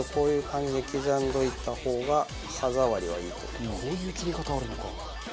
こういう切り方あるのか。